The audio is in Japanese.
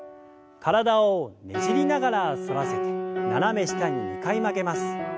体をねじりながら反らせて斜め下に２回曲げます。